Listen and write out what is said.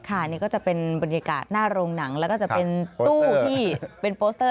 นี่ก็จะเป็นบรรยากาศหน้าโรงหนังแล้วก็จะเป็นตู้ที่เป็นโปสเตอร์